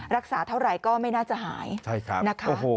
รักษาเท่าไหร่ก็ไม่น่าจะหายนะคะ